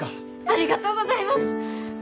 ありがとうございます！